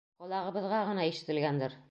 Ҡолағыбыҙға ғына ишетелгәндер.